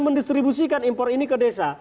mendistribusikan impor ini ke desa